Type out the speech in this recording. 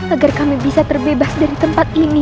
agar kami bisa terbebas dari tempat ini